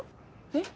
えっ？